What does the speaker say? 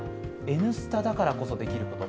「Ｎスタ」だからこそできること。